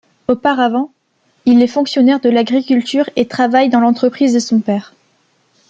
Auparavant, il est fonctionnaire de l'agriculture et travaille dans l'entreprise de son père.